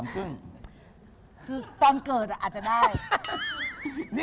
คือตอนเกิดอาจจะได้